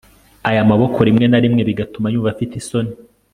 Aya maboko rimwe na rimwe bigatuma yumva afite isoni